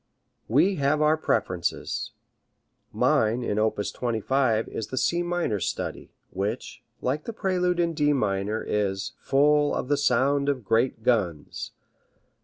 We have our preferences. Mine in op. 25 is the C minor study, which, like the prelude in D minor, is "full of the sound of great guns."